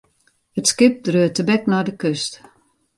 It skip dreau tebek nei de kust.